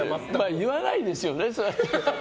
言わないですよね。